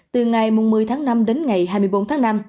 từ ngày một mươi tháng năm đến ngày hai mươi bốn tháng năm